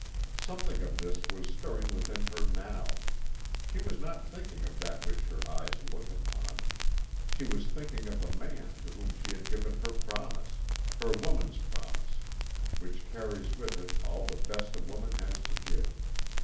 Something of this was stirring within her now. She was not thinking of that which her eyes looked upon. She was thinking of the man to whom she had given her promise, her woman's promise, which carries with it all the best a woman has to give.